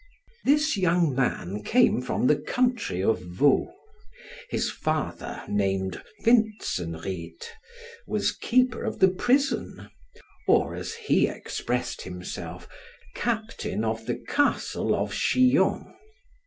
This young man came from the country of Vaud; his father, named Vintzenried, was keeper of the prison, or, as he expressed himself, Captain of the Castle of Chillon.